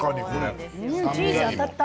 チーズ当たった。